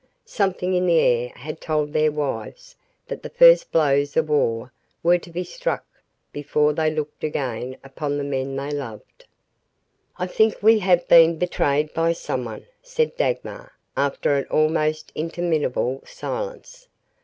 Something in the air had told their wives that the first blows of war were to be struck before they looked again upon the men they loved. "I think we have been betrayed by someone," said Dagmar, after an almost interminable silence.